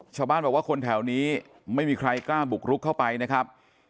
ชาวบ้านบอกว่าคนแถวนี้ไม่มีใครกล้าบุกรุกเข้าไปนะครับ